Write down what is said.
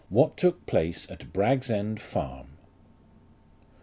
WHAT TOOK PLACE AT BRAGG'S END FARM.